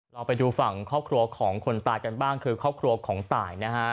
เราไปดูฝั่งครอบครัวของคนตายกันบ้างคือครอบครัวของตายนะฮะ